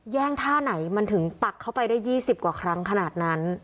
แย่งท่าไหนมันถึงปักเข้าไปได้๒๐กว่าครั้งขนาดนั้น